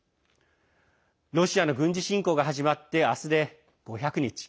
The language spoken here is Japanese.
ロシアの軍事侵攻が始まって明日で５００日。